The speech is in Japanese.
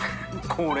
これ。